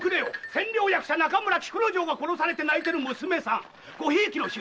千両役者中村菊之丞が殺されて泣いてる娘さんごひいきの衆。